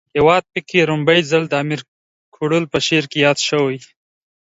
هیواد پکی په ړومبی ځل د امیر کروړ په شعر کې ياد شوی